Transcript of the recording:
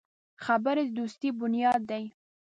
خبرې د دوستي بنیاد دی